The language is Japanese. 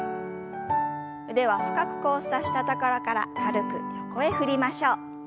腕は深く交差したところから軽く横へ振りましょう。